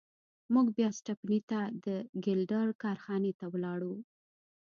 موږ بیا سټپني ته د ګیلډر کارخانې ته لاړو.